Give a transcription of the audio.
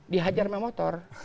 dihajar sama motor